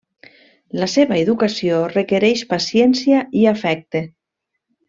La seva educació requereix paciència i afecte.